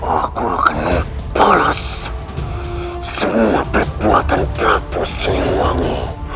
aku akan membalas semua perbuatan terpusingmu